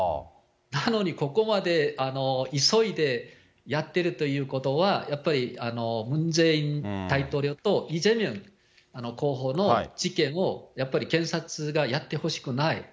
なのに、ここまで急いでやってるということは、やっぱりムン・ジェイン大統領とイ・ジェミョン候補の事件をやっぱり検察がやってほしくない。